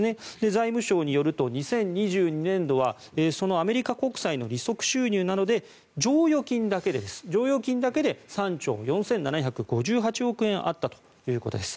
財務省によると２０２２年度はそのアメリカ国債の利息収入などで剰余金だけで３兆４７５８億円あったということです。